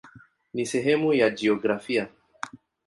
Ni sehemu ya jiografia.